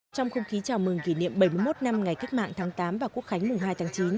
trong không khí chào mừng kỷ niệm bảy mươi một năm ngày cách mạng tháng tám và quốc khánh mùng hai tháng chín